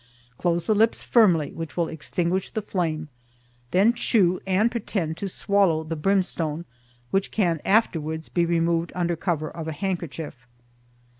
Close the lips firmly, which will extinguish the flame, then chew and pretend to swallow the brimstone, which can afterwards be removed under cover of a handkerchief.